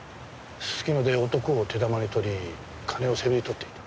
すすきので男を手玉に取り金をせびり取っていた。